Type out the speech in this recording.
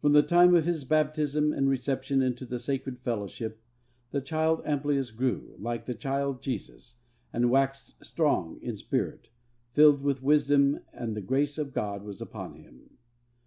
From the time of his baptism and reception into the sacred fellowship, the child Amplius grew, like the child Jesus, and waxed strong in spirit, filled with wisdom, and the grace of God was upon him.